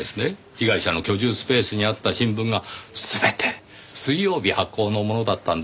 被害者の居住スペースにあった新聞が全て水曜日発行のものだったんですよ。